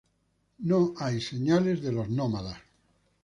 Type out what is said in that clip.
No hay señales de los nómadas.